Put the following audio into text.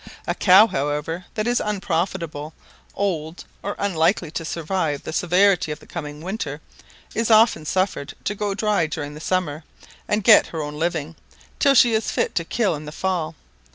A cow, however, that is unprofitable, old, or unlikely to survive the severity of the coming winter, is often suffered to go dry during the summer, and get her own living, till she is fit to kill in the fall.